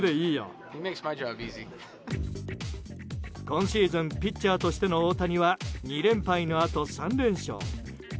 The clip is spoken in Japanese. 今シーズンピッチャーとしての大谷は２連敗のあと３連勝。